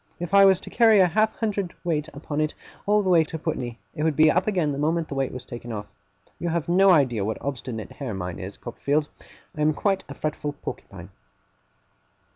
If I was to carry a half hundred weight upon it, all the way to Putney, it would be up again the moment the weight was taken off. You have no idea what obstinate hair mine is, Copperfield. I am quite a fretful porcupine.